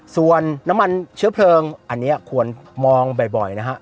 ส่วนน้ำมันเชื้อเพลิงอันนี้ควรมองบ่อยนะฮะ